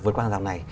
vượt qua hàng rào này